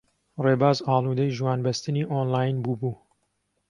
ڕێباز ئاڵوودەی ژوانبەستنی ئۆنلاین بووبوو.